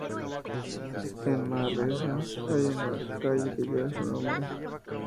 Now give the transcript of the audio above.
En Manresa hay una calle que lleva su nombre.